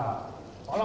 kalau sudah calon